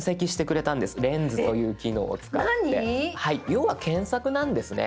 要は検索なんですね。